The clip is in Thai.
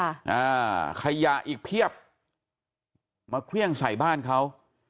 อ่าขยะอีกเพียบมาเครื่องใส่บ้านเขา